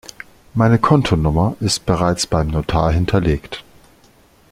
Meine Kontonummer ist bereits beim Notar hinterlegt.